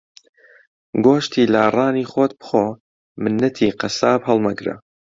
گۆشتی لاڕانی خۆت بخۆ مننەتی قەساب ھەڵمەگرە